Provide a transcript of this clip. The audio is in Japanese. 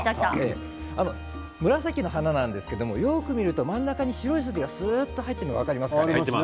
紫の花なんですけれどよく見ると真ん中に白い筋が入っているのが分かりますか。